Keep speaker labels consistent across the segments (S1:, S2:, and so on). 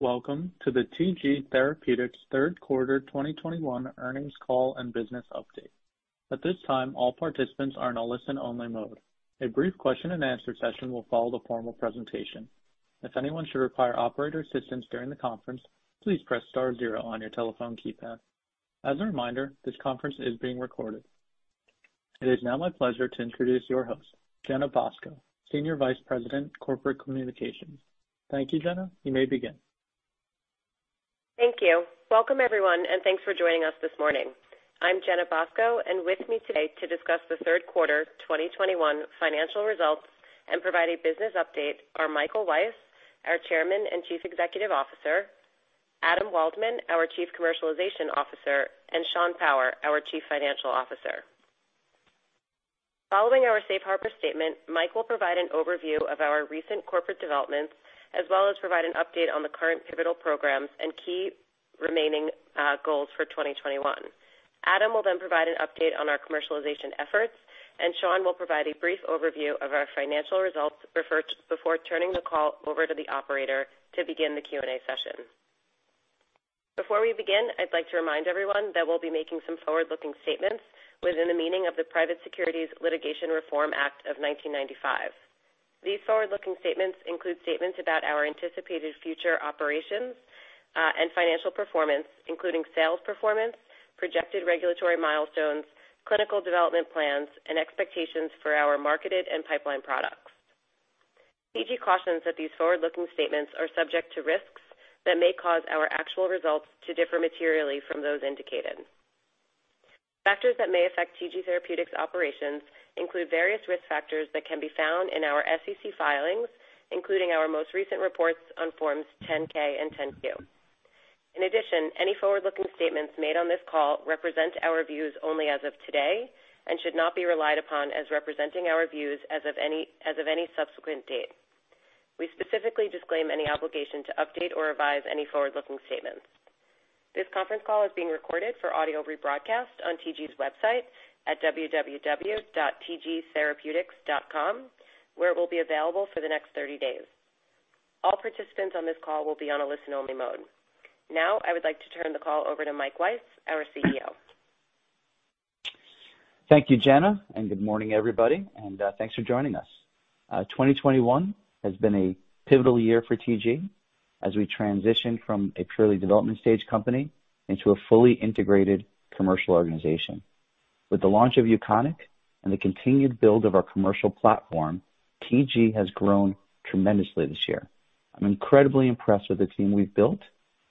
S1: Welcome to the TG Therapeutics Third Quarter 2021 Earnings Call and Business Update. At this time, all participants are in a listen-only mode. A brief question and answer session will follow the formal presentation. If anyone should require operator assistance during the conference, please press star zero on your telephone keypad. As a reminder, this conference is being recorded. It is now my pleasure to introduce your host, Jenna Bosco, Senior Vice President, Corporate Communications. Thank you, Jenna. You may begin.
S2: Thank you. Welcome, everyone, and thanks for joining us this morning. I'm Jenna Bosco, and with me today to discuss the third quarter 2021 financial results and provide a business update are Michael Weiss, our Chairman and Chief Executive Officer, Adam Waldman, our Chief Commercialization Officer, and Sean Power, our Chief Financial Officer. Following our safe harbor statement, Mike will provide an overview of our recent corporate developments, as well as provide an update on the current pivotal programs and key remaining goals for 2021. Adam will then provide an update on our commercialization efforts, and Sean will provide a brief overview of our financial results before turning the call over to the operator to begin the Q&A session. Before we begin, I'd like to remind everyone that we'll be making some forward-looking statements within the meaning of the Private Securities Litigation Reform Act of 1995. These forward-looking statements include statements about our anticipated future operations and financial performance, including sales performance, projected regulatory milestones, clinical development plans, and expectations for our marketed and pipeline products. TG cautions that these forward-looking statements are subject to risks that may cause our actual results to differ materially from those indicated. Factors that may affect TG Therapeutics operations include various risk factors that can be found in our SEC filings, including our most recent reports on Forms 10-K and 10-Q. In addition, any forward-looking statements made on this call represent our views only as of today and should not be relied upon as representing our views as of any subsequent date. We specifically disclaim any obligation to update or revise any forward-looking statements. This conference call is being recorded for audio rebroadcast on TG's website at www.tgtherapeutics.com, where it will be available for the next thirty days. All participants on this call will be on a listen-only mode. Now, I would like to turn the call over to Mike Weiss, our CEO.
S3: Thank you, Jenna, and good morning, everybody, and thanks for joining us. 2021 has been a pivotal year for TG as we transition from a purely development stage company into a fully integrated commercial organization. With the launch of UKONIQ and the continued build of our commercial platform, TG has grown tremendously this year. I'm incredibly impressed with the team we've built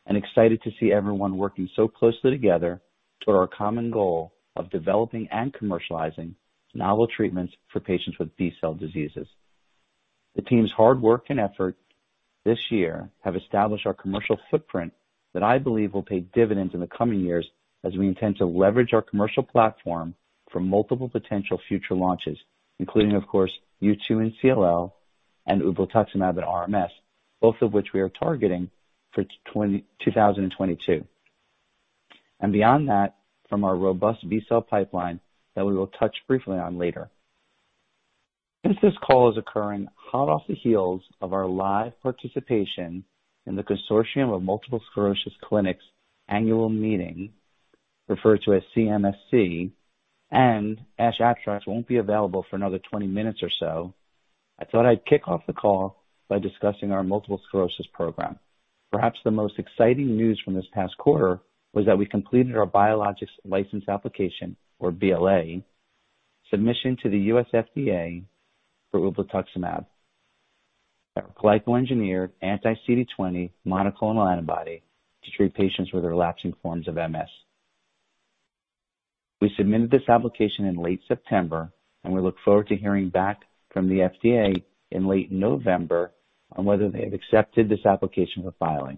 S3: and excited to see everyone working so closely together toward our common goal of developing and commercializing novel treatments for patients with B-cell diseases. The team's hard work and effort this year have established our commercial footprint that I believe will pay dividends in the coming years as we intend to leverage our commercial platform for multiple potential future launches, including, of course, U2 in CLL and ublituximab in RMS, both of which we are targeting for 2022. Beyond that, from our robust B-cell pipeline that we will touch briefly on later. Since this call is occurring hot off the heels of our live participation in the Consortium of Multiple Sclerosis Centers annual meeting, referred to as CMSC, and ASH abstracts won't be available for another 20 minutes or so, I thought I'd kick off the call by discussing our multiple sclerosis program. Perhaps the most exciting news from this past quarter was that we completed our Biologics License Application, or BLA, submission to the U.S. FDA for ublituximab, a glyco-engineered anti-CD20 monoclonal antibody to treat patients with relapsing forms of MS. We submitted this application in late September, and we look forward to hearing back from the FDA in late November on whether they have accepted this application for filing.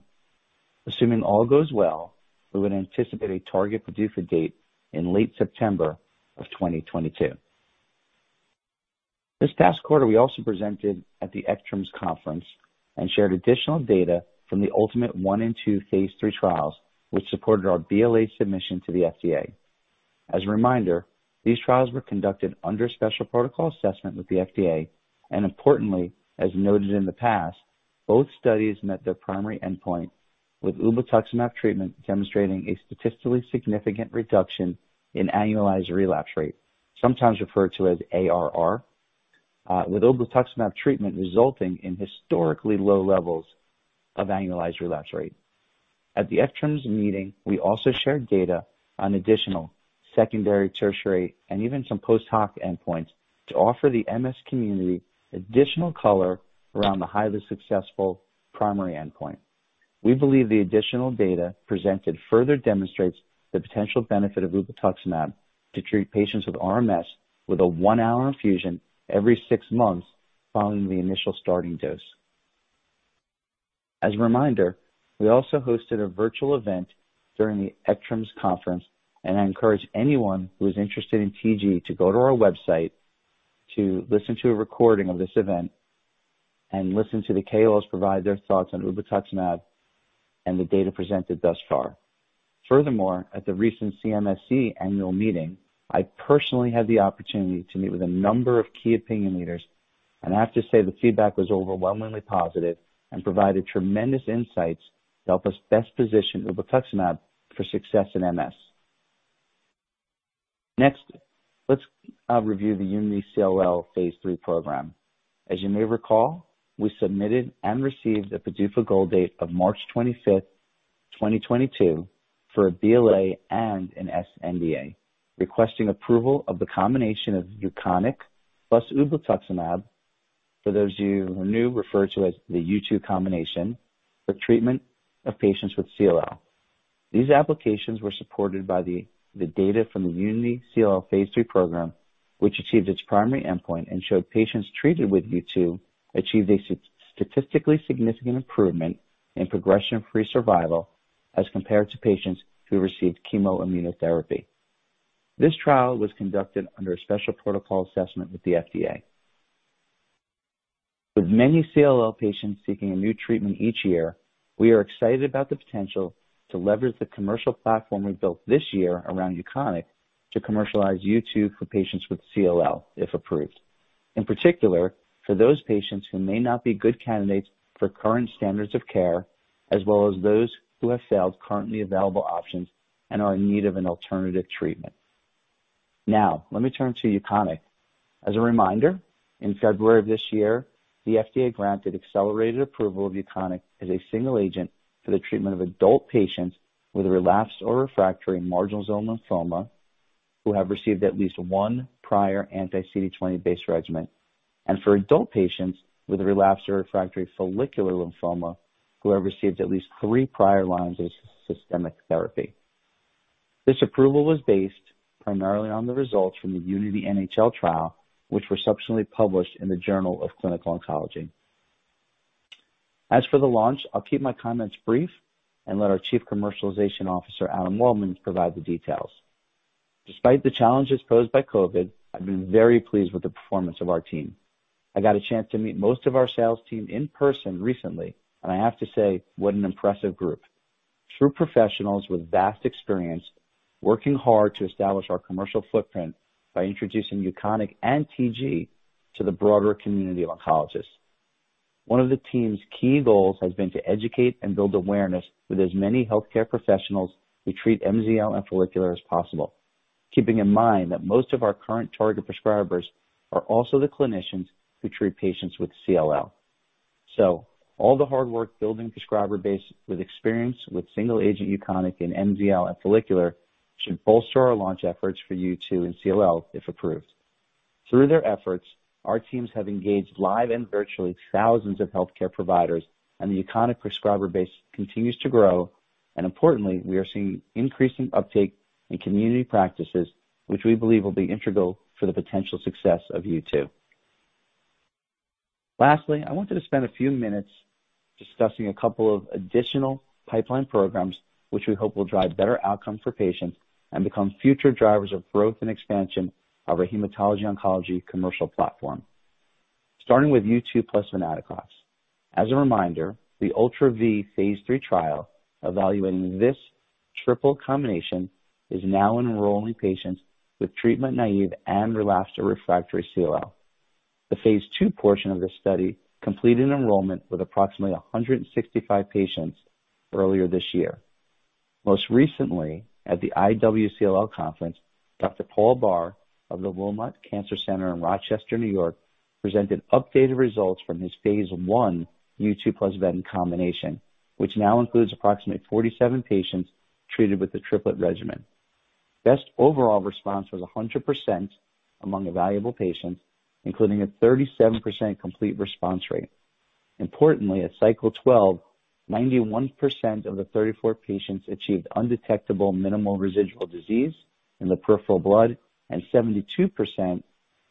S3: Assuming all goes well, we would anticipate a target PDUFA date in late September 2022. This past quarter, we also presented at the ECTRIMS conference and shared additional data from the ULTIMATE I and II phase III trials, which supported our BLA submission to the FDA. As a reminder, these trials were conducted under special protocol assessment with the FDA, and importantly, as noted in the past, both studies met their primary endpoint, with ublituximab treatment demonstrating a statistically significant reduction in annualized relapse rate, sometimes referred to as ARR, with ublituximab treatment resulting in historically low levels of annualized relapse rate. At the ECTRIMS meeting, we also shared data on additional secondary, tertiary, and even some post-hoc endpoints to offer the MS community additional color around the highly successful primary endpoint. We believe the additional data presented further demonstrates the potential benefit of ublituximab to treat patients with RMS with a one-hour infusion every six months following the initial starting dose. As a reminder, we also hosted a virtual event during the ECTRIMS conference, and I encourage anyone who is interested in TG to go to our website to listen to a recording of this event and listen to the KOLs provide their thoughts on ublituximab and the data presented thus far. Furthermore, at the recent CMSC annual meeting, I personally had the opportunity to meet with a number of key opinion leaders. I have to say the feedback was overwhelmingly positive and provided tremendous insights to help us best position ublituximab for success in MS. Next, let's review the UNITY-CLL phase III program. As you may recall, we submitted and received a PDUFA goal date of March 25, 2022 for a BLA and an SNDA, requesting approval of the combination of UKONIQ plus ublituximab, for those of you who are new, referred to as the U2 combination, for treatment of patients with CLL. These applications were supported by the data from the UNITY-CLL phase III program, which achieved its primary endpoint and showed patients treated with U2 achieved a statistically significant improvement in progression-free survival as compared to patients who received chemoimmunotherapy. This trial was conducted under a special protocol assessment with the FDA. With many CLL patients seeking a new treatment each year, we are excited about the potential to leverage the commercial platform we built this year around UKONIQ to commercialize U2 for patients with CLL, if approved. In particular, for those patients who may not be good candidates for current standards of care, as well as those who have failed currently available options and are in need of an alternative treatment. Now, let me turn to UKONIQ. As a reminder, in February of this year, the FDA granted accelerated approval of UKONIQ as a single agent for the treatment of adult patients with a relapsed or refractory marginal zone lymphoma, who have received at least one prior anti-CD20 based regimen, and for adult patients with a relapsed or refractory follicular lymphoma, who have received at least three prior lines of systemic therapy. This approval was based primarily on the results from the UNITY-NHL trial, which were subsequently published in the Journal of Clinical Oncology. As for the launch, I'll keep my comments brief and let our Chief Commercialization Officer, Adam Waldman, provide the details. Despite the challenges posed by COVID, I've been very pleased with the performance of our team. I got a chance to meet most of our sales team in person recently, and I have to say, what an impressive group. True professionals with vast experience, working hard to establish our commercial footprint by introducing UKONIQ and TG to the broader community of oncologists. One of the team's key goals has been to educate and build awareness with as many healthcare professionals who treat MZL and follicular as possible. Keeping in mind that most of our current target prescribers are also the clinicians who treat patients with CLL. All the hard work building prescriber base with experience with single agent UKONIQ in MZL and follicular should bolster our launch efforts for U2 and CLL, if approved. Through their efforts, our teams have engaged live and virtually thousands of healthcare providers, and the UKONIQ prescriber base continues to grow. Importantly, we are seeing increasing uptake in community practices, which we believe will be integral for the potential success of U2. Lastly, I wanted to spend a few minutes discussing a couple of additional pipeline programs, which we hope will drive better outcomes for patients and become future drivers of growth and expansion of our hematology oncology commercial platform. Starting with U2 plus venetoclax. As a reminder, the ULTRA-V phase III trial evaluating this triple combination is now enrolling patients with treatment-naive and relapsed or refractory CLL. The phase II portion of this study completed enrollment with approximately 165 patients earlier this year. Most recently, at the iwCLL conference, Dr. Paul Barr of the Wilmot Cancer Institute in Rochester, New York, presented updated results from his phase I U2 plus venetoclax combination, which now includes approximately 47 patients treated with the triplet regimen. Best overall response was 100% among evaluable patients, including a 37% complete response rate. Importantly, at cycle 12, 91% of the 34 patients achieved undetectable minimal residual disease in the peripheral blood, and 72% of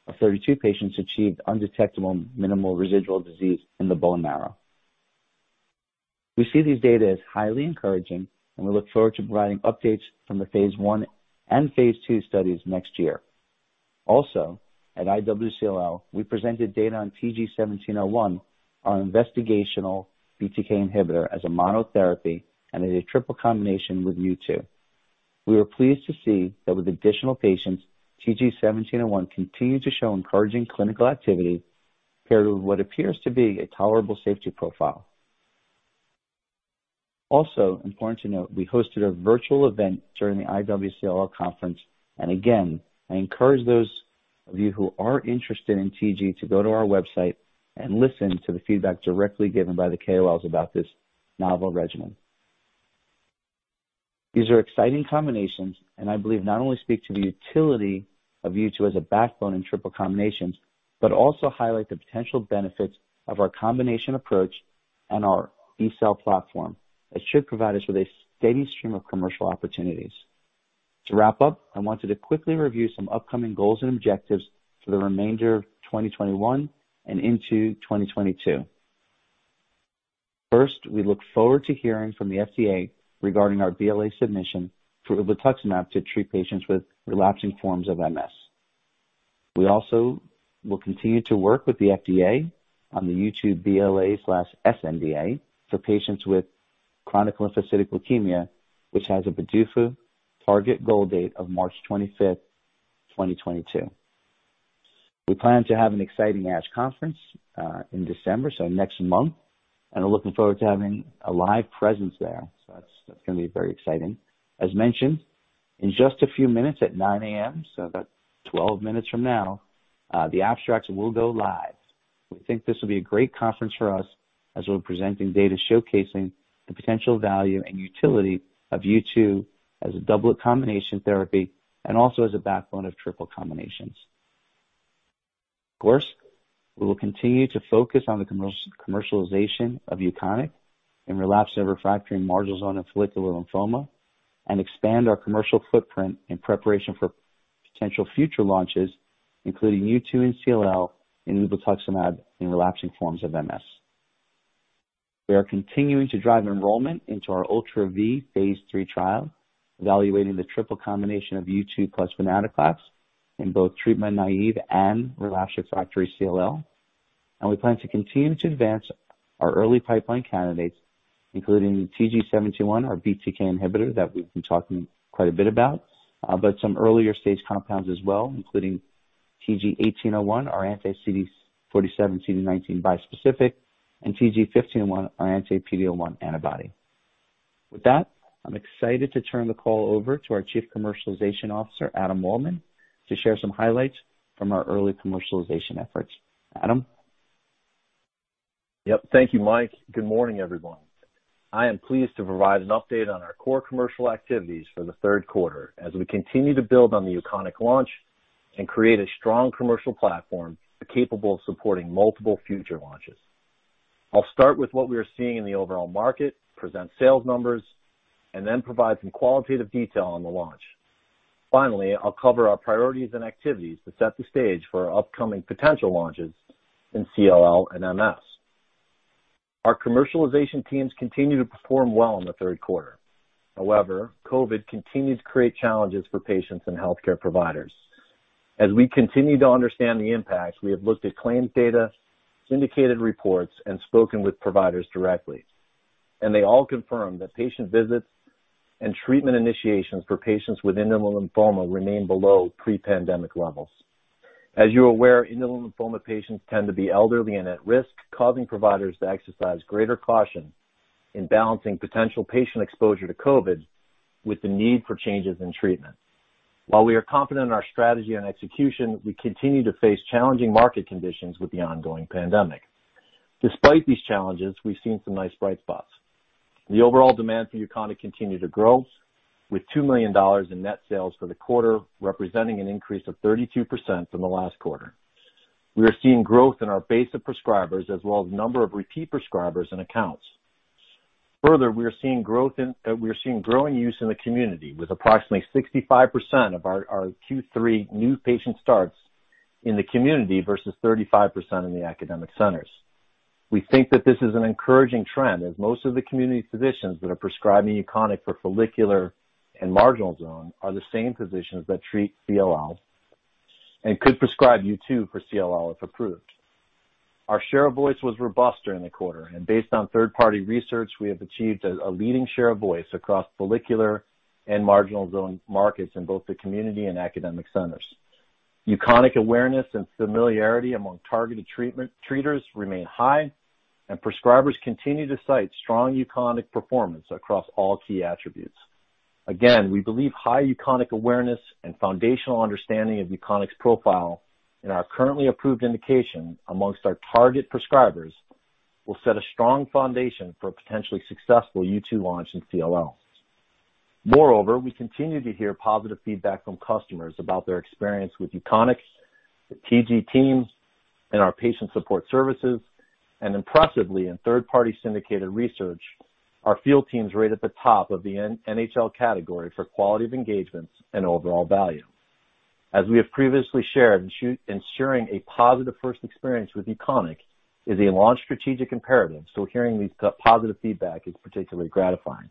S3: the 32 patients achieved undetectable minimal residual disease in the bone marrow. We see these data as highly encouraging, and we look forward to providing updates from the phase I and phase II studies next year. Also, at iwCLL, we presented data on TG-1701, our investigational BTK inhibitor, as a monotherapy and in a triple combination with U2. We were pleased to see that with additional patients, TG-1701 continues to show encouraging clinical activity paired with what appears to be a tolerable safety profile. Also important to note, we hosted a virtual event during the iwCLL conference, and again, I encourage those of you who are interested in TG to go to our website and listen to the feedback directly given by the KOLs about this novel regimen. These are exciting combinations, and I believe not only speak to the utility of U2 as a backbone in triple combinations, but also highlight the potential benefits of our combination approach and our B-cell platform that should provide us with a steady stream of commercial opportunities. To wrap up, I wanted to quickly review some upcoming goals and objectives for the remainder of 2021 and into 2022. First, we look forward to hearing from the FDA regarding our BLA submission for ublituximab to treat patients with relapsing forms of MS. We also will continue to work with the FDA on the U2 BLA/sNDA for patients with chronic lymphocytic leukemia, which has a PDUFA target goal date of March 25, 2022. We plan to have an exciting ASH conference in December, so next month, and we're looking forward to having a live presence there. That's gonna be very exciting. As mentioned, in just a few minutes at 9:00 A.M., so about 12 minutes from now, the abstracts will go live. We think this will be a great conference for us as we're presenting data showcasing the potential value and utility of U2 as a doublet combination therapy and also as a backbone of triple combinations. Of course, we will continue to focus on the commercialization of UKONIQ in relapsed refractory marginal zone and follicular lymphoma and expand our commercial footprint in preparation for potential future launches, including U2 in CLL and ublituximab in relapsing forms of MS. We are continuing to drive enrollment into our ULTRA-V phase III trial, evaluating the triple combination of U2 plus venetoclax in both treatment naive and relapsed refractory CLL. We plan to continue to advance our early pipeline candidates, including TG-1701, our BTK inhibitor that we've been talking quite a bit about, but some earlier stage compounds as well, including TG-1801, our anti-CD47/CD19 bispecific, and TG-1501, our anti-PD-L1 antibody. With that, I'm excited to turn the call over to our Chief Commercialization Officer, Adam Waldman, to share some highlights from our early commercialization efforts. Adam?
S4: Yep. Thank you, Mike. Good morning, everyone. I am pleased to provide an update on our core commercial activities for the third quarter as we continue to build on the UKONIQ launch and create a strong commercial platform capable of supporting multiple future launches. I'll start with what we are seeing in the overall market, present sales numbers, and then provide some qualitative detail on the launch. Finally, I'll cover our priorities and activities to set the stage for our upcoming potential launches in CLL and MS. Our commercialization teams continue to perform well in the third quarter. However, COVID continued to create challenges for patients and healthcare providers. As we continue to understand the impacts, we have looked at claims data, syndicated reports, and spoken with providers directly, and they all confirm that patient visits and treatment initiations for patients with indolent lymphoma remain below pre-pandemic levels. As you are aware, indolent lymphoma patients tend to be elderly and at risk, causing providers to exercise greater caution in balancing potential patient exposure to COVID with the need for changes in treatment. While we are confident in our strategy and execution, we continue to face challenging market conditions with the ongoing pandemic. Despite these challenges, we've seen some nice bright spots. The overall demand for UKONIQ continued to grow with $2 million in net sales for the quarter, representing a 32% increase from the last quarter. We are seeing growth in our base of prescribers as well as number of repeat prescribers and accounts. Further, we are seeing growing use in the community with approximately 65% of our Q3 new patient starts in the community versus 35% in the academic centers. We think that this is an encouraging trend as most of the community physicians that are prescribing UKONIQ for follicular and marginal zone are the same physicians that treat CLL and could prescribe U2 for CLL if approved. Our share of voice was robust during the quarter and based on third-party research, we have achieved a leading share of voice across follicular and marginal zone markets in both the community and academic centers. UKONIQ awareness and familiarity among targeted treaters remain high, and prescribers continue to cite strong UKONIQ performance across all key attributes. Again, we believe high UKONIQ awareness and foundational understanding of UKONIQ's profile in our currently approved indication amongst our target prescribers will set a strong foundation for a potentially successful U2 launch in CLL. Moreover, we continue to hear positive feedback from customers about their experience with UKONIQ, the TG team, and our patient support services. Impressively, in third-party syndicated research, our field teams rate at the top of the NHL category for quality of engagements and overall value. As we have previously shared, ensuring a positive first experience with UKONIQ is a launch strategic imperative, so hearing these positive feedback is particularly gratifying.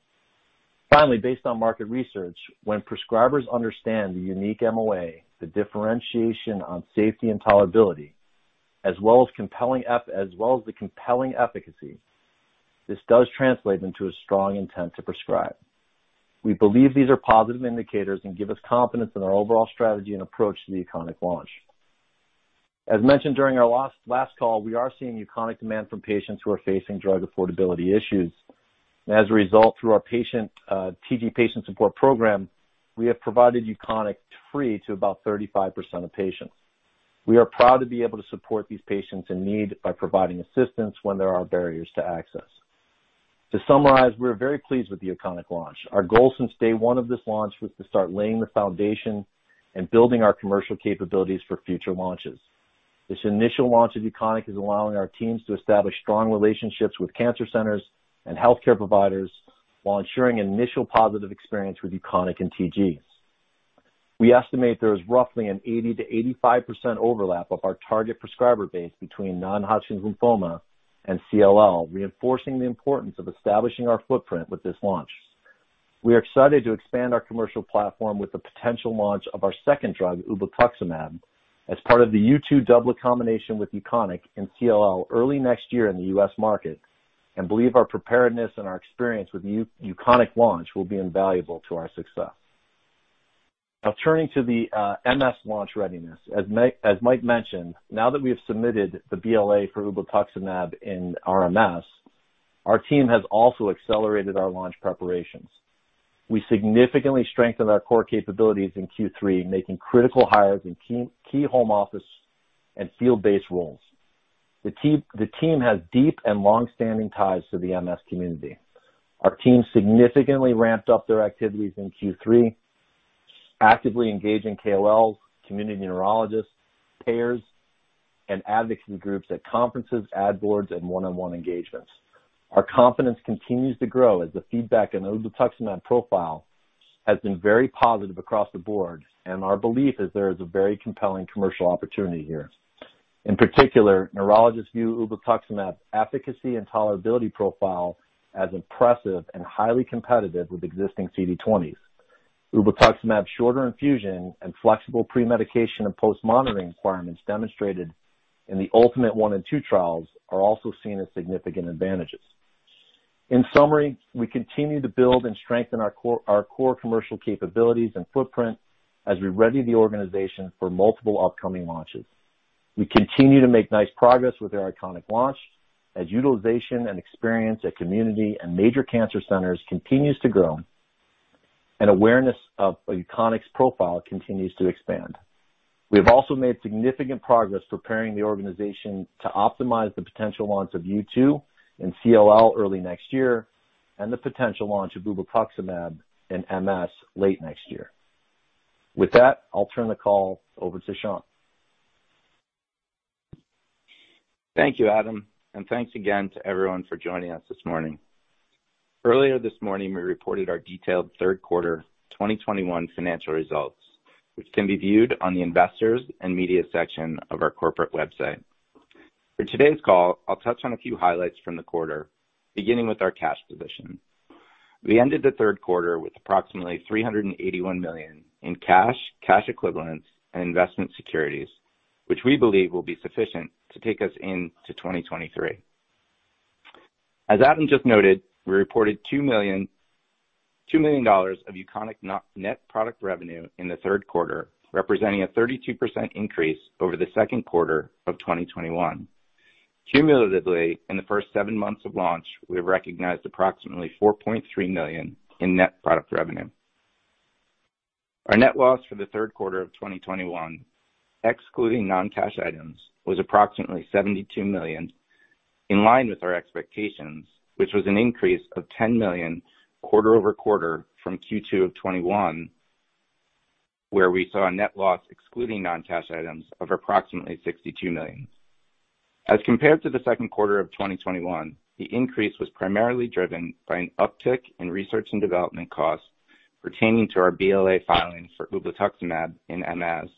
S4: Finally, based on market research, when prescribers understand the unique MOA, the differentiation on safety and tolerability, as well as the compelling efficacy, this does translate into a strong intent to prescribe. We believe these are positive indicators and give us confidence in our overall strategy and approach to the UKONIQ launch. As mentioned during our last call, we are seeing UKONIQ demand from patients who are facing drug affordability issues. As a result, through our TG patient support program, we have provided UKONIQ free to about 35% of patients. We are proud to be able to support these patients in need by providing assistance when there are barriers to access. To summarize, we're very pleased with the UKONIQ launch. Our goal since day one of this launch was to start laying the foundation and building our commercial capabilities for future launches. This initial launch of UKONIQ is allowing our teams to establish strong relationships with cancer centers and healthcare providers while ensuring an initial positive experience with UKONIQ and TG. We estimate there is roughly an 80%-85% overlap of our target prescriber base between non-Hodgkin lymphoma and CLL, reinforcing the importance of establishing our footprint with this launch. We are excited to expand our commercial platform with the potential launch of our second drug, ublituximab, as part of the U2 double combination with UKONIQ in CLL early next year in the U.S. market, and believe our preparedness and our experience with UKONIQ launch will be invaluable to our success. Now turning to the MS launch readiness. As Mike mentioned, now that we have submitted the BLA for ublituximab in RMS, our team has also accelerated our launch preparations. We significantly strengthened our core capabilities in Q3, making critical hires in key home office and field-based roles. The team has deep and long-standing ties to the MS community. Our team significantly ramped up their activities in Q3, actively engaging KOLs, community neurologists, payers, and advocacy groups at conferences, ad boards, and one-on-one engagements. Our confidence continues to grow as the feedback on ublituximab profile has been very positive across the board, and our belief is there is a very compelling commercial opportunity here. In particular, neurologists view ublituximab efficacy and tolerability profile as impressive and highly competitive with existing CD20s. Ublituximab's shorter infusion and flexible pre-medication and post-monitoring requirements demonstrated in the ULTIMATE I and II trials are also seen as significant advantages. In summary, we continue to build and strengthen our core commercial capabilities and footprint as we ready the organization for multiple upcoming launches. We continue to make nice progress with our UKONIQ launch as utilization and experience at community and major cancer centers continues to grow, and awareness of UKONIQ's profile continues to expand. We have also made significant progress preparing the organization to optimize the potential launch of U2 in CLL early next year and the potential launch of ublituximab in MS late next year. With that, I'll turn the call over to Sean.
S5: Thank you, Adam, and thanks again to everyone for joining us this morning. Earlier this morning, we reported our detailed third quarter 2021 financial results, which can be viewed on the investors and media section of our corporate website. For today's call, I'll touch on a few highlights from the quarter, beginning with our cash position. We ended the third quarter with approximately $381 million in cash equivalents, and investment securities, which we believe will be sufficient to take us into 2023. As Adam just noted, we reported $2 million of UKONIQ net product revenue in the third quarter, representing a 32% increase over the second quarter of 2021. Cumulatively, in the first seven months of launch, we have recognized approximately $4.3 million in net product revenue. Our net loss for the third quarter of 2021, excluding non-cash items, was approximately $72 million, in line with our expectations, which was an increase of $10 million quarter-over-quarter from Q2 of 2021, where we saw a net loss excluding non-cash items of approximately $62 million. As compared to the second quarter of 2021, the increase was primarily driven by an uptick in research and development costs pertaining to our BLA filing for ublituximab in MS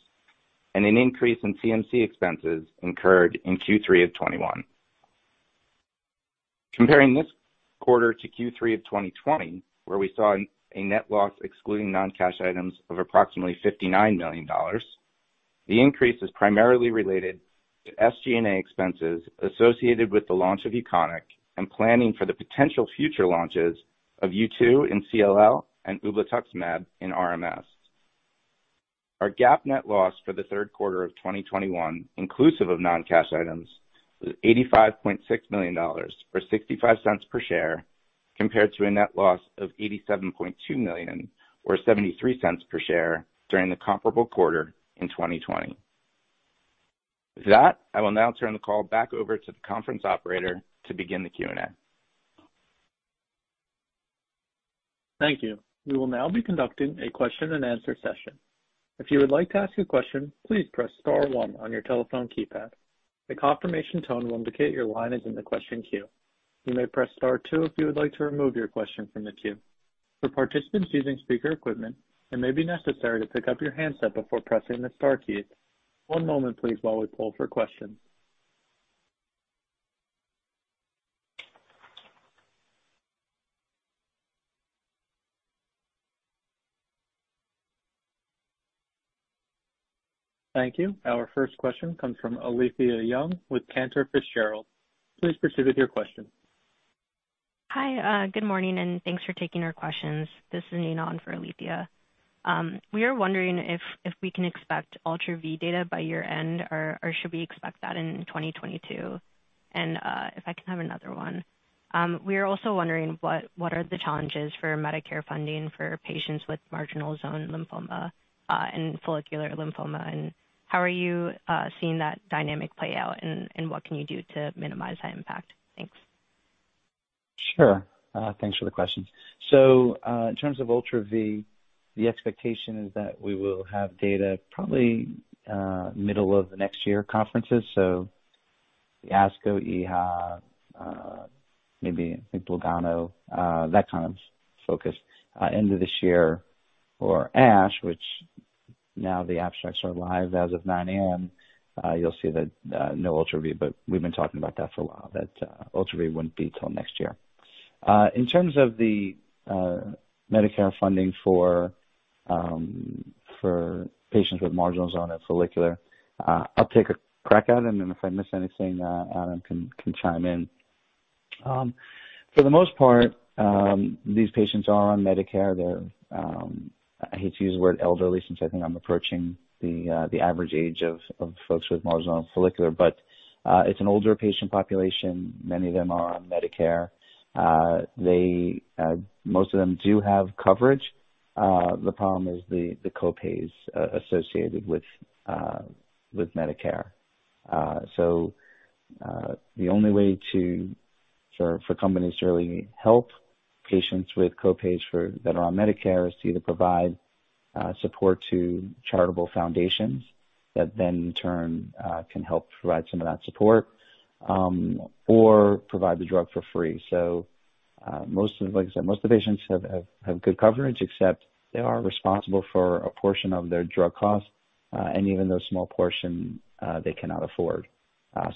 S5: and an increase in CMC expenses incurred in Q3 of 2021. Comparing this quarter to Q3 of 2020, where we saw a net loss excluding non-cash items of approximately $59 million, the increase is primarily related to SG&A expenses associated with the launch of UKONIQ and planning for the potential future launches of U2 in CLL and ublituximab in RMS. Our GAAP net loss for the third quarter of 2021, inclusive of non-cash items, was $85.6 million, or $0.65 per share, compared to a net loss of $87.2 million, or $0.73 per share during the comparable quarter in 2020. With that, I will now turn the call back over to the conference operator to begin the Q&A.
S1: Thank you. We will now be conducting a question and answer session. If you would like to ask a question, please press star one on your telephone keypad. A confirmation tone will indicate your line is in the question queue. You may press star two if you would like to remove your question from the queue. For participants using speaker equipment, it may be necessary to pick up your handset before pressing the star key. One moment please while we poll for questions. Thank you. Our first question comes from Alethia Young with Cantor Fitzgerald. Please proceed with your question.
S6: Hi, good morning, and thanks for taking our questions. This is Ninon for Alethia. We are wondering if we can expect ULTRA-V data by year-end or should we expect that in 2022? If I can have another one. We are also wondering what are the challenges for Medicare funding for patients with marginal zone lymphoma and follicular lymphoma, and how are you seeing that dynamic play out, and what can you do to minimize that impact? Thanks.
S3: Sure. Thanks for the questions. In terms of ULTRA-V, the expectation is that we will have data probably middle of next year conferences. The ASCO, EHA, maybe I think Lugano, that kind of focus. End of this year for ASH, which Now the abstracts are live as of 9:00 A.M. You'll see that no ULTRA-V, but we've been talking about that for a while, that ULTRA-V wouldn't be till next year. In terms of the Medicare funding for patients with marginal zone and follicular, I'll take a crack at it, and then if I miss anything, Adam can chime in. For the most part, these patients are on Medicare. They're I hate to use the word elderly since I think I'm approaching the average age of folks with marginal zone follicular, but it's an older patient population. Many of them are on Medicare. Most of them do have coverage. The problem is the co-pays associated with Medicare. The only way to... For companies to really help patients with co-pays that are on Medicare is to either provide support to charitable foundations that then in turn can help provide some of that support, or provide the drug for free. Most of the patients, like I said, have good coverage except they are responsible for a portion of their drug costs, and even those small portions, they cannot afford.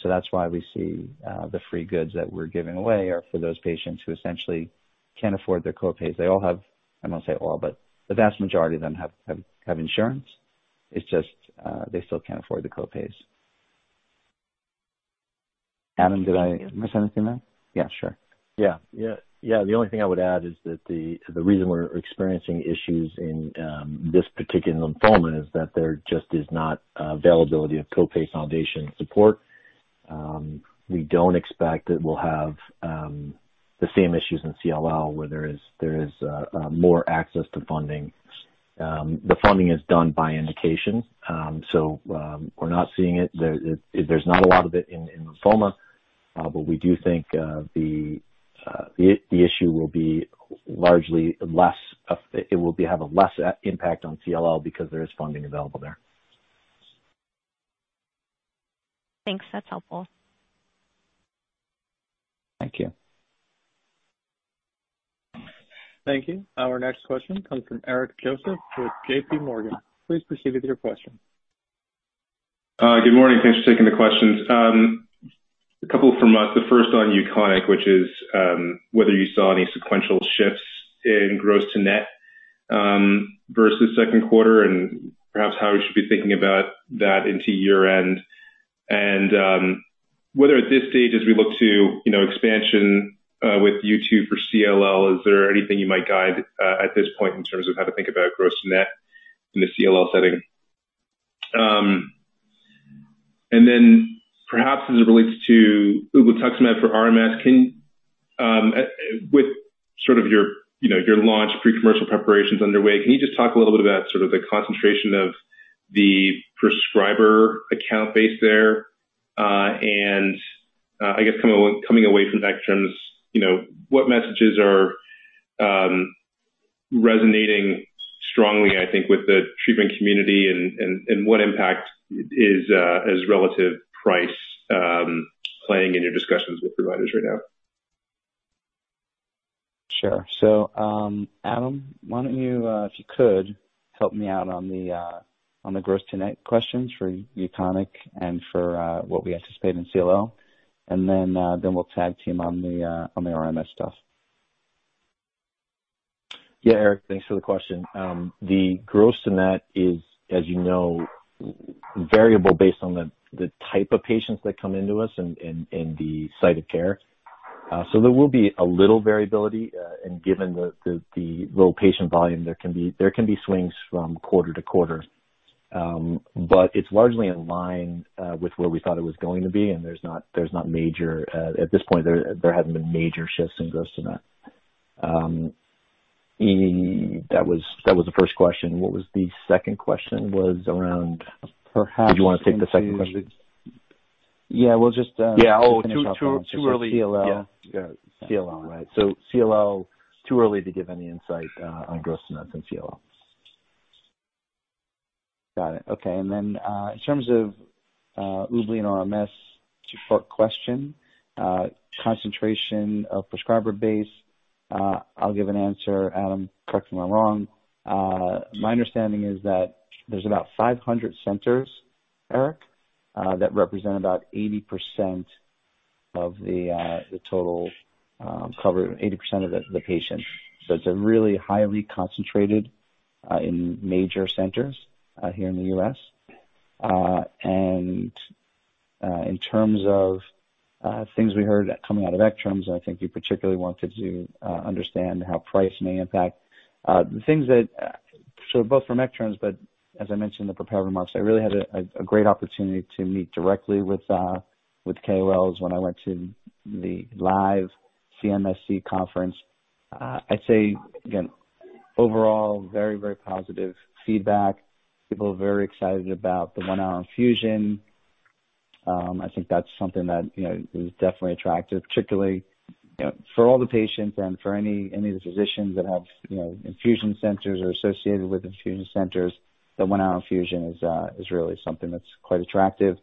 S3: That's why we see the free goods that we're giving away are for those patients who essentially can't afford their co-pays. They all have. I won't say all, but the vast majority of them have insurance. It's just, they still can't afford the co-pays. Adam, did I miss anything there?
S4: Yeah. Sure. Yeah. Yeah. Yeah, the only thing I would add is that the reason we're experiencing issues in this particular lymphoma is that there just is not availability of co-pay foundation support. We don't expect that we'll have the same issues in CLL where there is more access to funding. The funding is done by indication. We're not seeing it. There's not a lot of it in lymphoma, but we do think the issue will be largely less. It will have a less impact on CLL because there is funding available there.
S6: Thanks. That's helpful.
S3: Thank you.
S1: Thank you. Our next question comes from Eric Joseph with JPMorgan. Please proceed with your question.
S7: Good morning. Thanks for taking the questions. A couple from us. The first on UKONIQ, which is, whether you saw any sequential shifts in gross to net, versus second quarter and perhaps how we should be thinking about that into year-end. Whether at this stage, as we look to, you know, expansion, with U2 for CLL, is there anything you might guide, at this point in terms of how to think about gross to net in the CLL setting? And then perhaps as it relates to ublituximab for RMS, can, with sort of your, you know, your launch pre-commercial preparations underway, can you just talk a little bit about sort of the concentration of the prescriber account base there? I guess, coming away from that term, you know, what messages are resonating strongly, I think, with the treatment community, and what impact is relative price playing in your discussions with providers right now?
S3: Sure. Adam, why don't you, if you could, help me out on the gross to net questions for UKONIQ and for what we anticipate in CLL. We'll tag team on the RMS stuff.
S4: Yeah, Eric, thanks for the question. The gross to net is, as you know, very variable based on the type of patients that come into us and the site of care. So there will be a little variability, and given the low patient volume, there can be swings from quarter to quarter. But it's largely in line with where we thought it was going to be, and there hasn't been major shifts in gross to net at this point. That was the first question. What was the second question, was around-
S3: Perhaps into-
S4: Did you wanna take the second question?
S3: Yeah, we'll just,
S4: Yeah. Oh, too early.
S3: CLL. Yeah, right. Too early to give any insight on gross to nets in CLL. Got it. Okay. In terms of Ubli and RMS, two-part question. Concentration of prescriber base. I'll give an answer. Adam, correct me if I'm wrong. My understanding is that there's about 500 centers, Eric, that represent about 80% of the total patients. It's really highly concentrated in major centers here in the U.S. In terms of things we heard coming out of ECTRIMS, I think you particularly wanted to understand how price may impact the things that. Both from ECTRIMS, but as I mentioned in the prepared remarks, I really had a great opportunity to meet directly with KOLs when I went to the live CMSC conference. I'd say again, overall, very positive feedback. People are very excited about the one-hour infusion. I think that's something that, you know, is definitely attractive, particularly, you know, for all the patients and for any of the physicians that have, you know, infusion centers or associated with infusion centers, the one-hour infusion is really something that's quite attractive.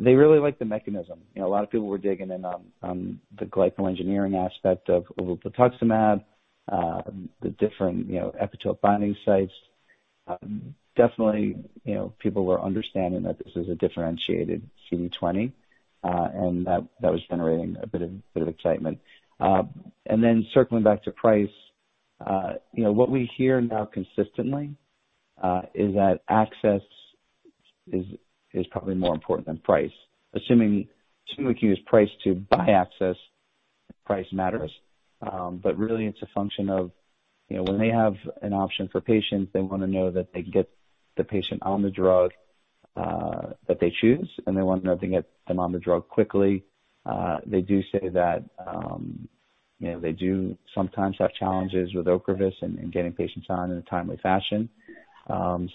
S3: They really like the mechanism. You know, a lot of people were digging in on the glyco-engineering aspect of ublituximab, the different, you know, epitope binding sites. Definitely, you know, people were understanding that this is a differentiated CD20, and that was generating a bit of excitement. Circling back to price, you know, what we hear now consistently is that access is probably more important than price. Assuming we can use price to buy access, price matters. Really it's a function of, you know, when they have an option for patients, they wanna know that they can get the patient on the drug that they choose, and they want to know if they can get them on the drug quickly. They do say that, you know, they do sometimes have challenges with Ocrevus in getting patients on in a timely fashion.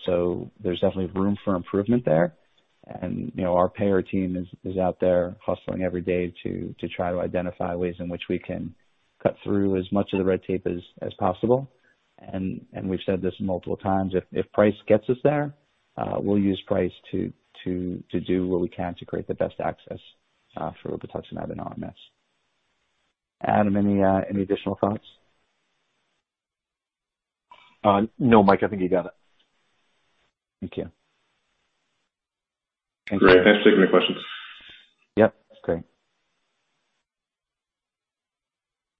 S3: So there's definitely room for improvement there. You know, our payer team is out there hustling every day to try to identify ways in which we can cut through as much of the red tape as possible. We've said this multiple times, if price gets us there, we'll use price to do what we can to create the best access for ublituximab in RMS. Adam, any additional thoughts?
S4: No, Mike. I think you got it.
S3: Thank you.
S7: Great. Thanks for taking the questions.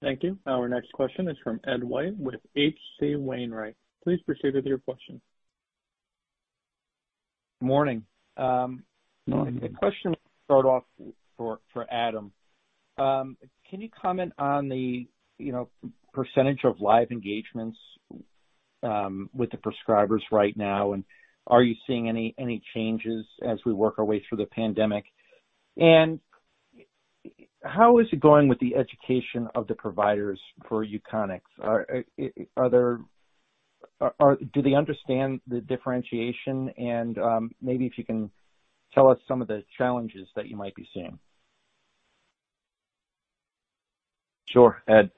S3: Yep. Great.
S1: Thank you. Our next question is from Ed White with H.C. Wainwright. Please proceed with your question.
S8: Morning.
S3: Morning.
S8: A question to start off for Adam. Can you comment on the, you know, percentage of live engagements with the prescribers right now, and are you seeing any changes as we work our way through the pandemic? How is it going with the education of the providers for UKONIQ? Do they understand the differentiation? Maybe if you can tell us some of the challenges that you might be seeing.
S4: Sure, Ed.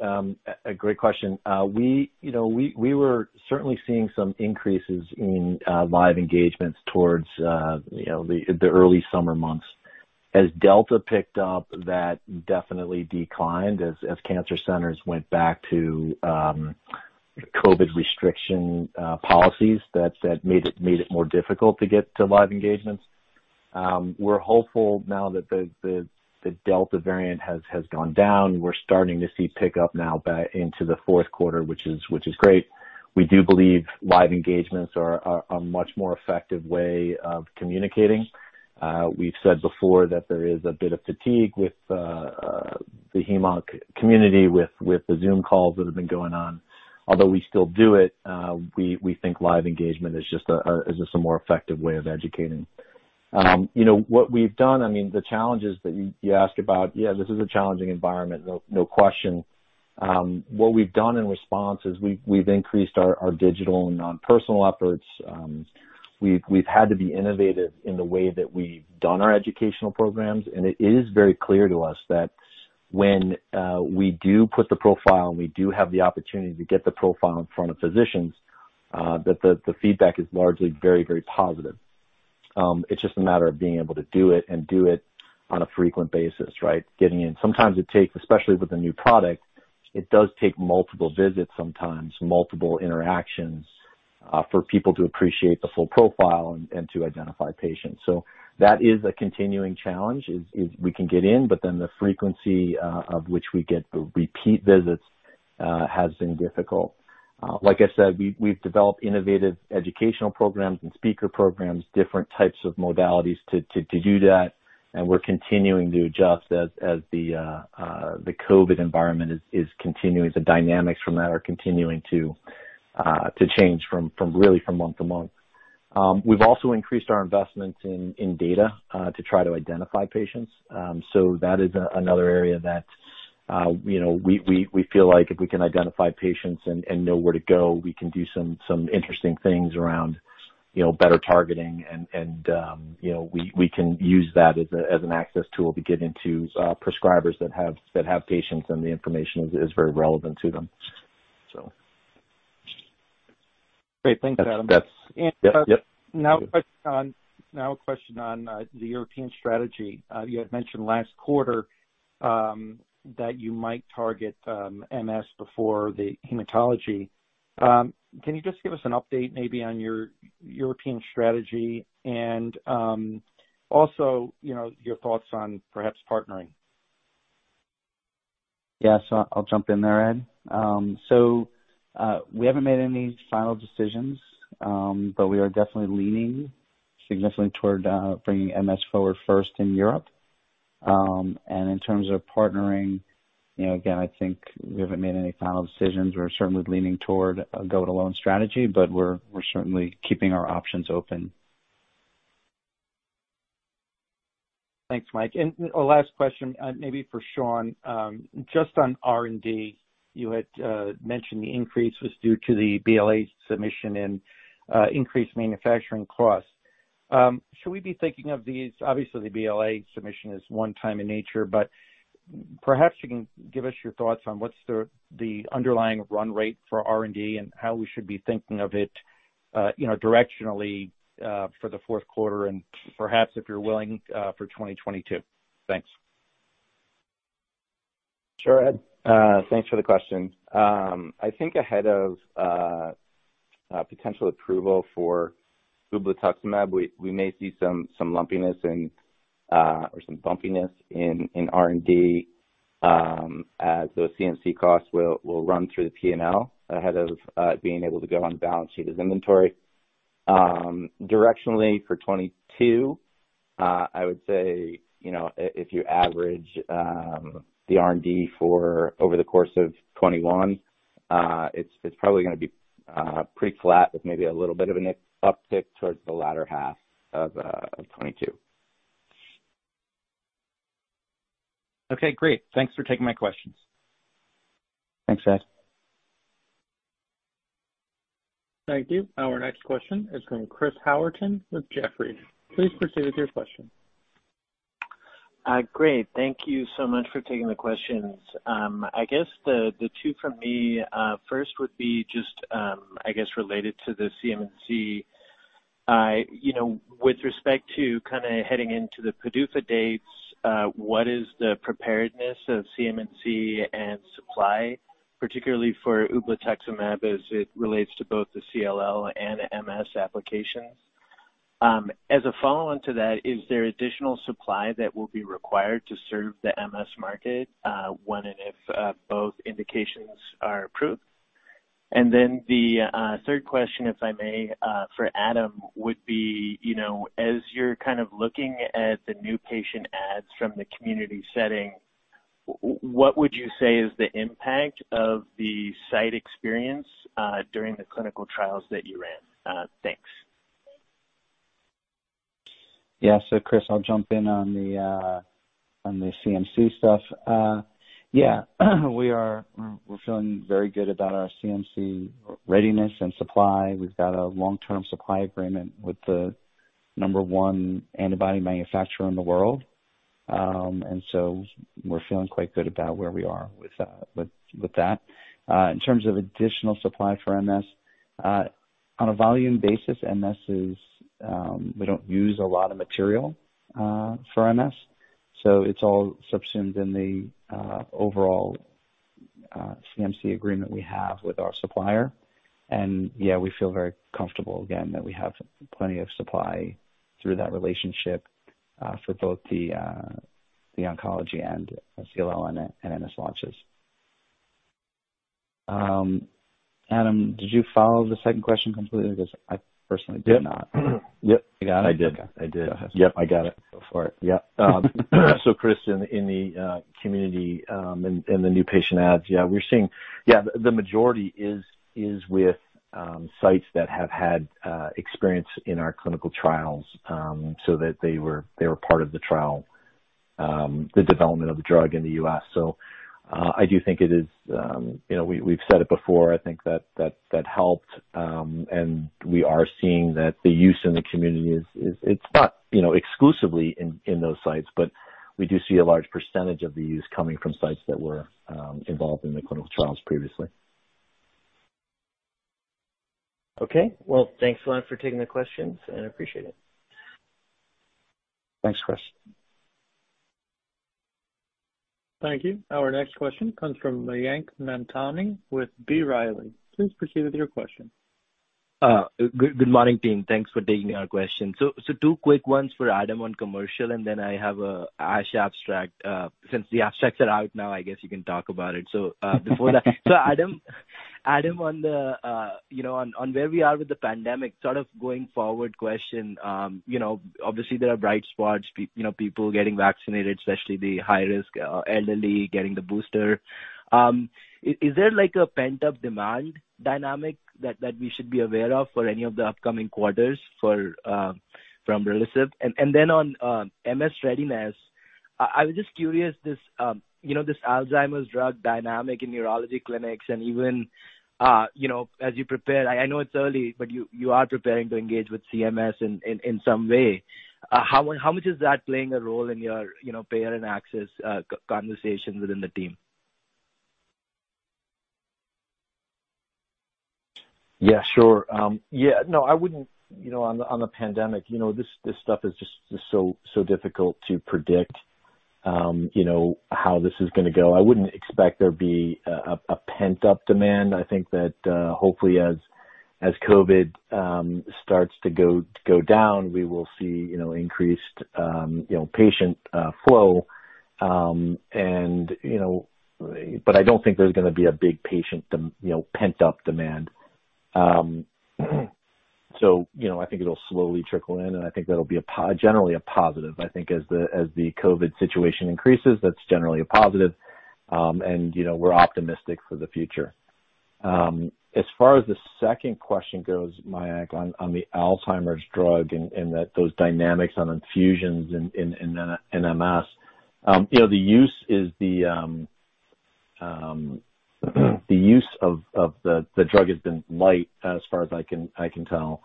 S4: Great question. We were certainly seeing some increases in live engagements towards the early summer months. As Delta picked up, that definitely declined as cancer centers went back to COVID restriction policies that made it more difficult to get to live engagements. We're hopeful now that the Delta variant has gone down. We're starting to see pickup now into the fourth quarter, which is great. We do believe live engagements are a much more effective way of communicating. We've said before that there is a bit of fatigue with the hem/onc community with the Zoom calls that have been going on. Although we still do it, we think live engagement is just a more effective way of educating. You know, what we've done I mean, the challenges that you ask about, yeah, this is a challenging environment. No question. What we've done in response is we've increased our digital and non-personal efforts. We've had to be innovative in the way that we've done our educational programs. It is very clear to us that when we do put the profile and we do have the opportunity to get the profile in front of physicians, that the feedback is largely very positive. It's just a matter of being able to do it and do it on a frequent basis, right? Getting in. Sometimes it takes, especially with a new product, it does take multiple visits, sometimes multiple interactions, for people to appreciate the full profile and to identify patients. That is a continuing challenge, we can get in, but then the frequency of which we get the repeat visits has been difficult. Like I said, we've developed innovative educational programs and speaker programs, different types of modalities to do that, and we're continuing to adjust as the COVID environment is continuing. The dynamics from that are continuing to change from really month to month. We've also increased our investments in data to try to identify patients. That is another area that, you know, we feel like if we can identify patients and know where to go, we can do some interesting things around, you know, better targeting and, you know, we can use that as an access tool to get into prescribers that have patients, and the information is very relevant to them.
S8: Great. Thanks, Adam.
S4: Yep.
S8: Now a question on the European strategy. You had mentioned last quarter that you might target MS before the hematology. Can you just give us an update maybe on your European strategy and also you know your thoughts on perhaps partnering?
S3: Yes. I'll jump in there, Ed. We haven't made any final decisions, but we are definitely leaning significantly toward bringing MS forward first in Europe. In terms of partnering, you know, again, I think we haven't made any final decisions. We're certainly leaning toward a go-it-alone strategy, but we're certainly keeping our options open.
S8: Thanks, Mike. A last question, maybe for Sean. Just on R&D, you had mentioned the increase was due to the BLA submission and increased manufacturing costs. Should we be thinking of these? Obviously, the BLA submission is one-time in nature, but perhaps you can give us your thoughts on what's the underlying run rate for R&D and how we should be thinking of it, you know, directionally, for the fourth quarter and perhaps, if you're willing, for 2022. Thanks.
S5: Sure, Ed. Thanks for the question. I think ahead of a potential approval for ublituximab, we may see some lumpiness or some bumpiness in R&D, as those CMC costs will run through the P&L ahead of being able to go on balance sheet as inventory. Directionally for 2022, I would say, you know, if you average the R&D for over the course of 2021, it's probably gonna be pretty flat with maybe a little bit of an uptick towards the latter half of 2022.
S8: Okay, great. Thanks for taking my questions.
S3: Thanks, Ed.
S1: Thank you. Our next question is from Chris Howerton with Jefferies. Please proceed with your question.
S9: Great. Thank you so much for taking the questions. I guess the two from me, first would be just, I guess, related to the CMC. You know, with respect to kinda heading into the PDUFA dates, what is the preparedness of CMC and supply, particularly for ublituximab as it relates to both the CLL and MS applications? As a follow-on to that, is there additional supply that will be required to serve the MS market, when and if, both indications are approved? The third question, if I may, for Adam, would be, you know, as you're kind of looking at the new patient adds from the community setting, what would you say is the impact of the site experience, during the clinical trials that you ran? Thanks.
S3: Yeah. Chris, I'll jump in on the CMC stuff. We're feeling very good about our CMC readiness and supply. We've got a long-term supply agreement with the number one antibody manufacturer in the world. We're feeling quite good about where we are with that. In terms of additional supply for MS, on a volume basis, MS is, we don't use a lot of material for MS, so it's all subsumed in the overall CMC agreement we have with our supplier. Yeah, we feel very comfortable again that we have plenty of supply through that relationship for both the oncology and CLL and MS launches. Adam, did you follow the second question completely? Because I personally did not.
S4: Yep.
S3: You got it?
S4: I did.
S3: Go ahead.
S4: Yep, I got it.
S3: Go for it.
S4: Yeah, so Chris, in the community and the new patient adds, yeah, we're seeing. Yeah, the majority is with sites that have had experience in our clinical trials, so that they were part of the trial, the development of the drug in the U.S. I do think it is, you know, we've said it before, I think that helped. We are seeing that the use in the community is. It's not, you know, exclusively in those sites, but we do see a large percentage of the use coming from sites that were involved in the clinical trials previously.
S9: Okay. Well, thanks a lot for taking the questions, and I appreciate it.
S3: Thanks, Chris.
S1: Thank you. Our next question comes from Mayank Mamtani with B. Riley. Please proceed with your question.
S10: Good morning, team. Thanks for taking our question. Two quick ones for Adam on commercial, and then I have a ASH abstract. Since the abstracts are out now, I guess you can talk about it. Before that. Adam, on the you know on where we are with the pandemic sort of going forward question. You know, obviously there are bright spots, you know, people getting vaccinated, especially the high risk elderly getting the booster. Is there like a pent-up demand dynamic that we should be aware of for any of the upcoming quarters for from relapsed? On MS readiness, I was just curious this, you know, this Alzheimer's drug dynamic in neurology clinics and even, you know, as you prepare, I know it's early, but you are preparing to engage with CMS in some way. How much is that playing a role in your, you know, payer and access, co-conversation within the team?
S4: Yeah, sure. Yeah, no, I wouldn't. You know, on the pandemic, you know, this stuff is just so difficult to predict, you know, how this is gonna go. I wouldn't expect there to be a pent-up demand. I think that hopefully as COVID starts to go down, we will see, you know, increased patient flow. You know, I don't think there's gonna be a big patient pent-up demand. You know, I think it'll slowly trickle in and I think that'll be generally a positive. I think as the COVID situation decreases, that's generally a positive. You know, we're optimistic for the future. As far as the second question goes, Mayank, on the Alzheimer's drug and those dynamics on infusions in RMS, you know, the use of the drug has been light as far as I can tell.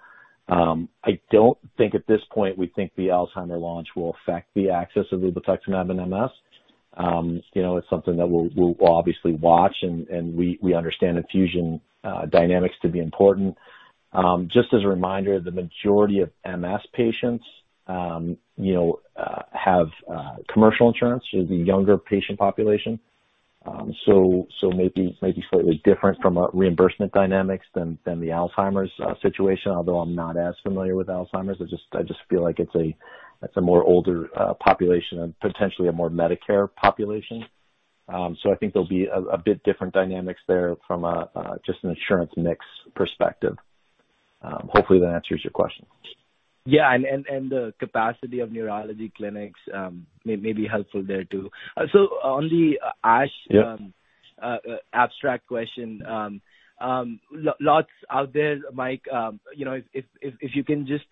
S4: I don't think at this point the Alzheimer's launch will affect the access of ublituximab in MS. You know, it's something that we'll obviously watch and we understand infusion dynamics to be important. Just as a reminder, the majority of MS patients, you know, have commercial insurance with the younger patient population. Maybe slightly different from a reimbursement dynamics than the Alzheimer's situation, although I'm not as familiar with Alzheimer's. I just feel like it's a more older population and potentially a more Medicare population. I think there'll be a bit different dynamics there from a just an insurance mix perspective. Hopefully that answers your question.
S10: Yeah. The capacity of neurology clinics may be helpful there too. On the ASH.
S4: Yeah.
S10: Abstract question, lots out there, Mike. You know, if you can just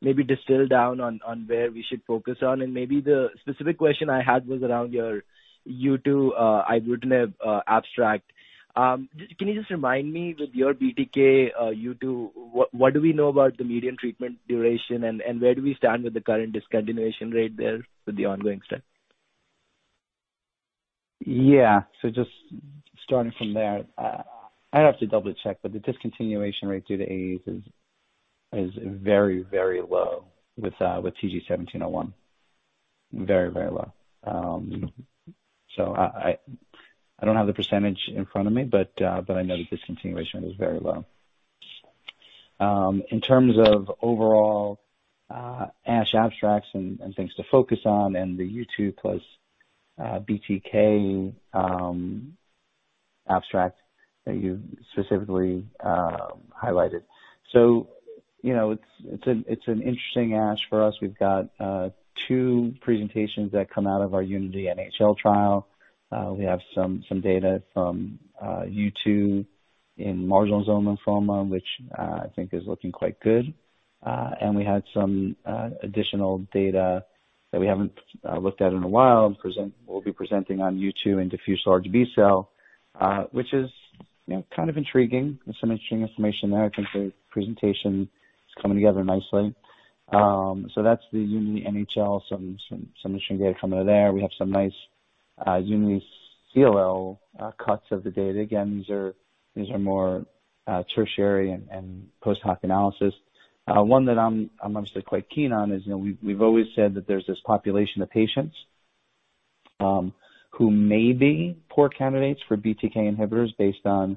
S10: maybe distill down on where we should focus on, and maybe the specific question I had was around your U2, ibrutinib, abstract. Just. Can you just remind me with your BTK, U2, what do we know about the median treatment duration and where do we stand with the current discontinuation rate there with the ongoing study?
S3: Yeah. Just starting from there, I'd have to double-check, but the discontinuation rate due to AEs is very, very low with TG-1701. Very, very low. I don't have the percentage in front of me, but I know the discontinuation was very low. In terms of overall ASH abstracts and things to focus on and the U2 plus BTK abstract that you specifically highlighted, you know, it's an interesting ASH for us. We've got two presentations that come out of our UNITY-NHL trial. We have some data from U2 in marginal zone lymphoma, which I think is looking quite good. And we had some additional data that we haven't looked at in a while present. We'll be presenting on U2 in diffuse large B-cell, which is, you know, kind of intriguing. There's some interesting information there. I think the presentation is coming together nicely. That's the UNITY-NHL, some mission data from there. We have some nice UNITY-CLL cuts of the data. Again, these are more tertiary and post-hoc analysis. One that I'm honestly quite keen on is, you know, we've always said that there's this population of patients who may be poor candidates for BTK inhibitors based on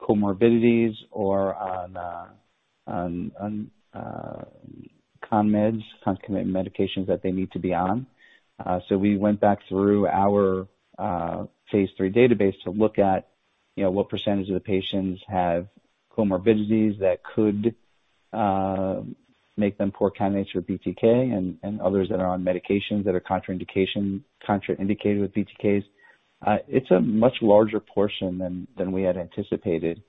S3: comorbidities or on conmeds, concomitant medications that they need to be on. We went back through our phase III database to look at, you know, what percentage of the patients have comorbidities that could make them poor candidates for BTK and others that are on medications that are contraindicated with BTKs. It's a much larger portion than we had anticipated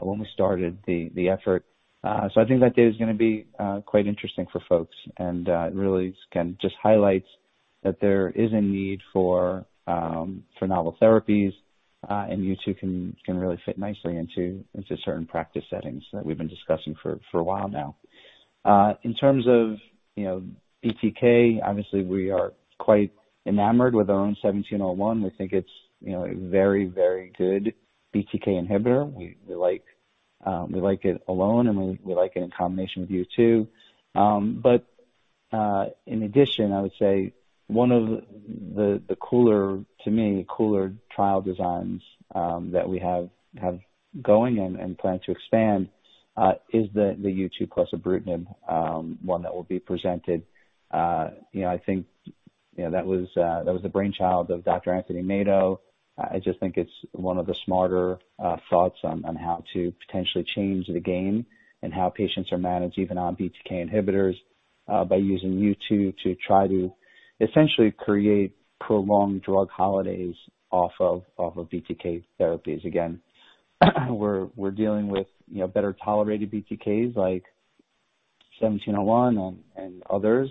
S3: when we started the effort. I think that data is gonna be quite interesting for folks and really just highlights that there is a need for novel therapies, and U2 can really fit nicely into certain practice settings that we've been discussing for a while now. In terms of, you know, BTK, obviously we are quite enamored with our own 1701. We think it's, you know, a very, very good BTK inhibitor. We like it alone and we like it in combination with U2. In addition, I would say one of the cooler, to me, cooler trial designs that we have going and plan to expand is the U2 plus ibrutinib one that will be presented. You know, I think you know that was the brainchild of Dr. Anthony Mato. I just think it's one of the smarter thoughts on how to potentially change the game and how patients are managed even on BTK inhibitors by using U2 to try to essentially create prolonged drug holidays off of BTK therapies. Again, we're dealing with you know better tolerated BTKs like 1701 and others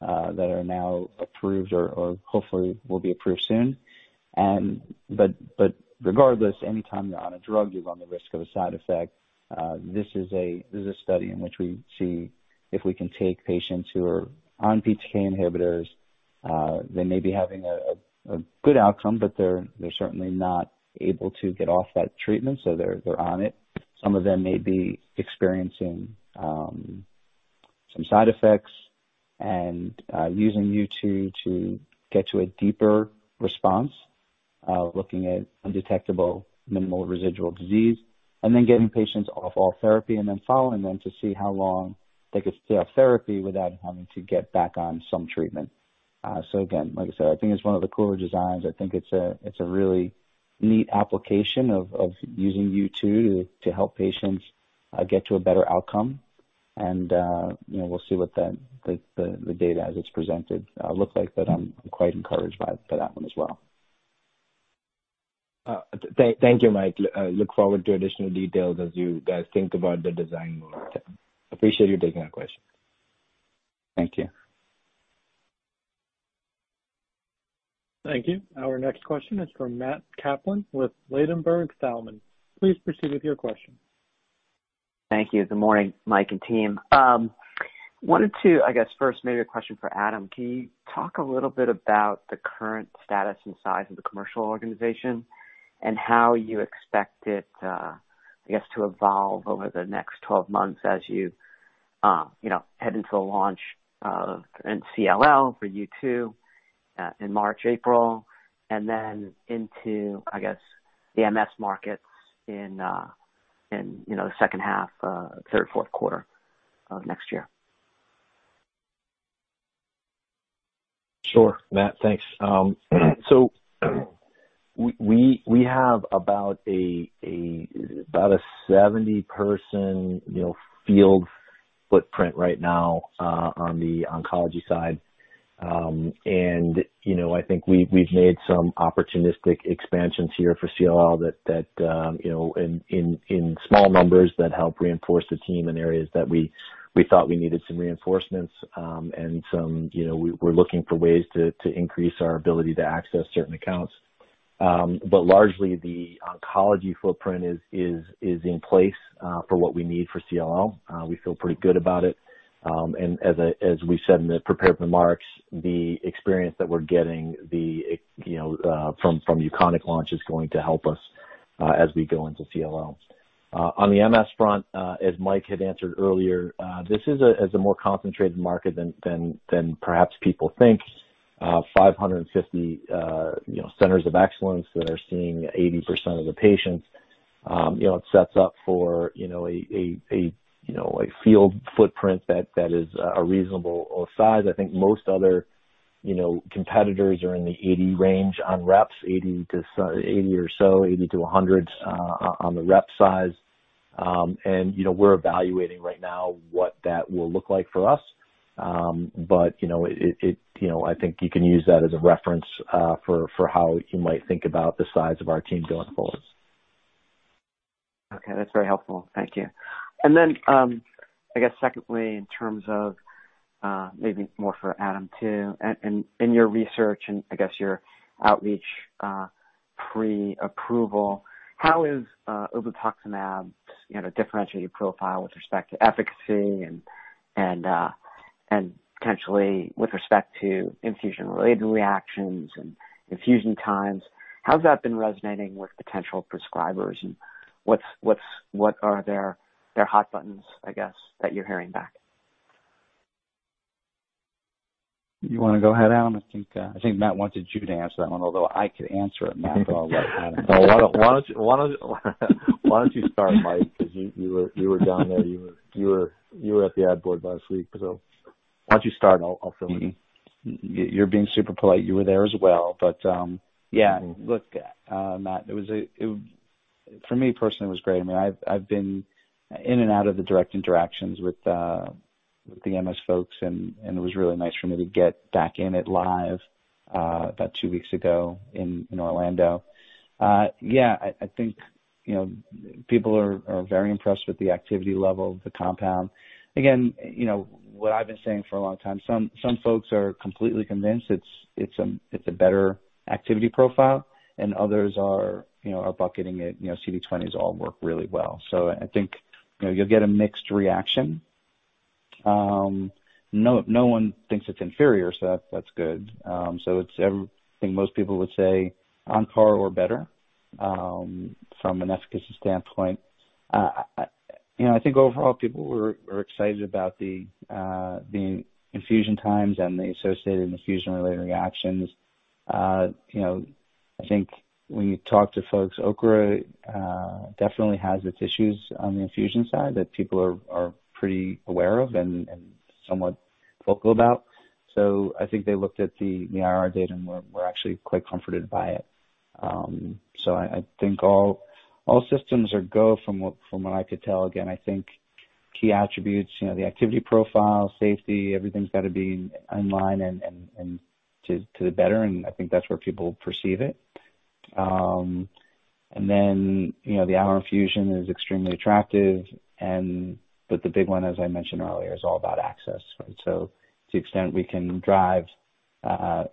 S3: that are now approved or hopefully will be approved soon. Regardless, anytime you're on a drug, you run the risk of a side effect. This is a study in which we see if we can take patients who are on BTK inhibitors, they may be having a good outcome, but they're certainly not able to get off that treatment, so they're on it. Some of them may be experiencing some side effects and using U2 to get to a deeper response, looking at undetectable minimal residual disease and then getting patients off all therapy and then following them to see how long they could stay off therapy without having to get back on some treatment. Again, like I said, I think it's one of the cooler designs. I think it's a really neat application of using U2 to help patients get to a better outcome. You know, we'll see what the data as it's presented looks like, but I'm quite encouraged by that one as well.
S10: Thank you, Mike. I look forward to additional details as you guys think about the design more.
S3: Okay.
S10: appreciate you taking that question.
S3: Thank you.
S1: Thank you. Our next question is from Matt Kaplan with Ladenburg Thalmann. Please proceed with your question.
S11: Thank you. Good morning, Mike and team. Wanted to, I guess, first maybe a question for Adam. Can you talk a little bit about the current status and size of the commercial organization and how you expect it, I guess, to evolve over the next 12 months as you know, head into a launch in CLL for U2 in March, April, and then into, I guess, the MS markets in, you know, the second half, third, fourth quarter of next year.
S4: Sure, Matt. Thanks. We have about a 70-person, you know, field footprint right now on the oncology side. I think we've made some opportunistic expansions here for CLL that you know in small numbers that help reinforce the team in areas that we thought we needed some reinforcements, and some you know we're looking for ways to increase our ability to access certain accounts. Largely the oncology footprint is in place for what we need for CLL. We feel pretty good about it. As we said in the prepared remarks, the experience that we're getting from the UKONIQ launch is going to help us as we go into CLL. On the MS front, as Mike had answered earlier, this is a more concentrated market than perhaps people think. 550, you know, centers of excellence that are seeing 80% of the patients. You know, it sets up for, you know, a field footprint that is a reasonable size. I think most other, you know, competitors are in the 80 range on reps, 80-80 or so, 80-100, on the rep size. And, you know, we're evaluating right now what that will look like for us. But you know, it, you know, I think you can use that as a reference, for how you might think about the size of our team going forward.
S11: Okay. That's very helpful. Thank you. I guess secondly, in terms of, maybe more for Adam too. In your research and I guess your outreach, pre-approval, how is obinutuzumab, you know, differentiated profile with respect to efficacy and potentially with respect to infusion-related reactions and infusion times? How's that been resonating with potential prescribers and what are their hot buttons, I guess, that you're hearing back?
S3: You wanna go ahead, Adam? I think Matt wanted you to answer that one, although I could answer it, Matt, but I'll let Adam.
S4: Why don't you start, Mike, 'cause you were down there. You were at the ad board last week, so why don't you start? I'll fill in.
S3: You're being super polite. You were there as well.
S4: Yeah.
S3: Look, Matt, for me personally, it was great. I mean, I've been in and out of the direct interactions with the MS folks, and it was really nice for me to get back in it live about two weeks ago in Orlando. Yeah, I think, you know, people are very impressed with the activity level of the compound. Again, you know, what I've been saying for a long time, some folks are completely convinced it's a better activity profile and others are, you know, bucketing it. You know, CD20s all work really well. So I think, you know, you'll get a mixed reaction. No one thinks it's inferior, so that's good. So it's every... I think most people would say on par or better from an efficacy standpoint. You know, I think overall people were excited about the infusion times and the associated infusion-related reactions. You know, I think when you talk to folks, Ocrevus definitely has its issues on the infusion side that people are pretty aware of and somewhat vocal about. I think they looked at the IRR data and were actually quite comforted by it. I think all systems are go from what I could tell. Again, I think key attributes, you know, the activity profile, safety, everything's gotta be in line and to the better, and I think that's where people perceive it. You know, the one-hour infusion is extremely attractive, but the big one, as I mentioned earlier, is all about access, right? To the extent we can drive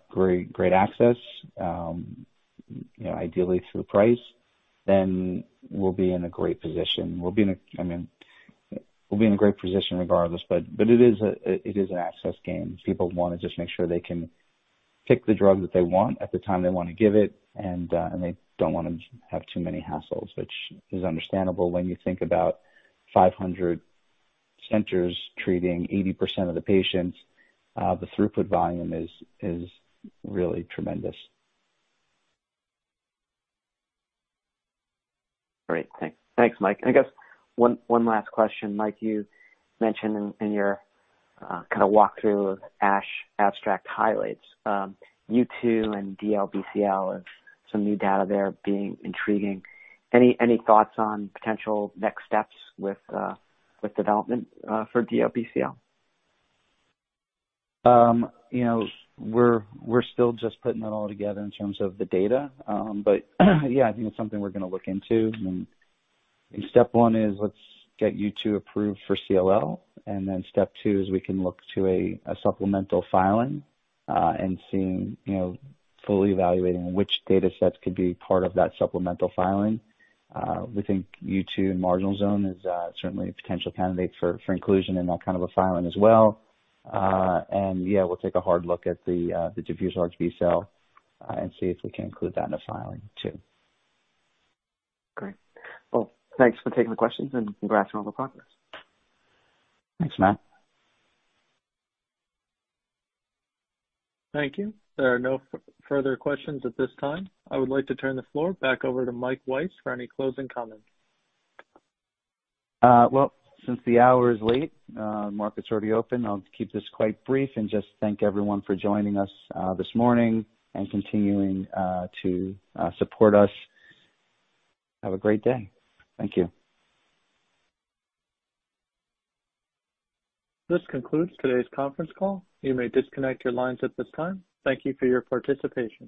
S3: great access, you know, ideally through price, then we'll be in a great position. We'll be in a great position regardless, but it is an access game. People wanna just make sure they can pick the drug that they want at the time they want to give it, and they don't wanna have too many hassles, which is understandable when you think about 500 centers treating 80% of the patients. The throughput volume is really tremendous.
S11: Great. Thanks. Thanks, Mike. I guess one last question. Mike, you mentioned in your kinda walkthrough of ASH abstract highlights, U2 and DLBCL have some new data there being intriguing. Any thoughts on potential next steps with development for DLBCL?
S3: You know, we're still just putting it all together in terms of the data. Yeah, I think it's something we're gonna look into. Step 1 is let's get U2 approved for CLL, and then step two is we can look to a supplemental filing, and seeing, you know, fully evaluating which data sets could be part of that supplemental filing. We think U2 and marginal zone is certainly a potential candidate for inclusion in that kind of a filing as well. Yeah, we'll take a hard look at the diffuse large B-cell and see if we can include that in a filing too.
S11: Great. Well, thanks for taking the questions, and congrats on all the progress.
S3: Thanks, Matt.
S1: Thank you. There are no further questions at this time. I would like to turn the floor back over to Mike Weiss for any closing comments.
S3: Well, since the hour is late, market's already open, I'll keep this quite brief and just thank everyone for joining us this morning and continuing to support us. Have a great day. Thank you.
S1: This concludes today's conference call. You may disconnect your lines at this time. Thank you for your participation.